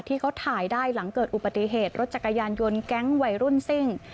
ที่เขาถ่ายได้หลังเกิดอุบัติเหตุรถจักรยานยนต์แก๊งวัยรุ่นซิ่ง